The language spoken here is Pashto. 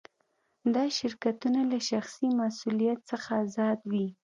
دا شرکتونه له شخصي مسوولیت څخه آزاد وي.